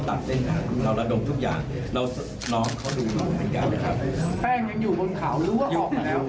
แป้งยังอยู่บนเขาหรือว่าออกมาแล้ว